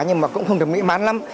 nhưng mà cũng không được mỹ bán lắm